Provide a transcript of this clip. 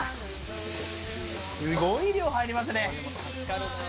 すごい量、入りますね。